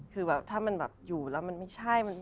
คือถ้ามันอยู่แล้วมันไม่ใช่